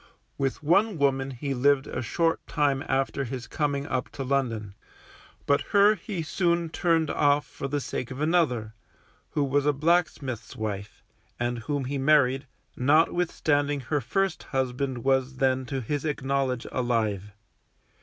With one woman he lived a short time after his coming up to London, but her he soon turned off for the sake of another, who was a blacksmith's wife, and whom he married, notwithstanding her first husband was then to his acknowledge alive.